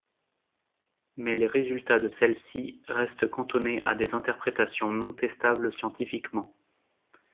Mais les résultats de celles-ci restent cantonnés à des interprétations non testables scientifiquement.